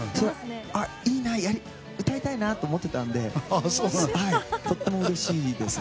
いいな、歌いたいなと思ってたのでとってもうれしいです